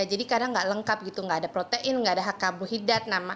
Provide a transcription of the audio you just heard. jadi kadang nggak lengkap gitu nggak ada protein nggak ada hak kabuhidat